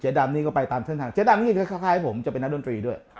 ดำนี่ก็ไปตามเส้นทางเจ๊ดำนี่คล้ายผมจะเป็นนักดนตรีด้วย